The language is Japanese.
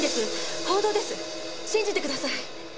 信じてください。